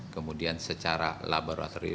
kemudian secara laboratorium